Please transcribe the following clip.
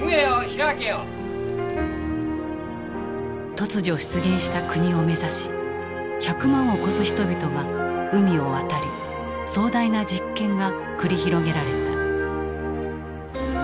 突如出現した国を目指し１００万を超す人々が海を渡り壮大な実験が繰り広げられた。